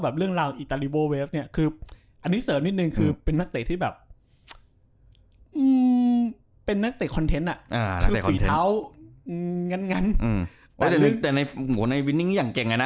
แล้วเรื่องลาวตาลีโบเวฟส์เนี่ย